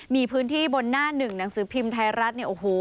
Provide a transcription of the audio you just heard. มีพื้นที่บนหน้าหนึ่งหนังสือพิมพ์ไทยรัฐเนี่ยโอ้โห